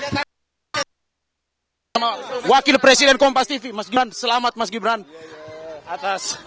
kita ditetapkan sebagai wakil presiden terpilih bersama pak prabowo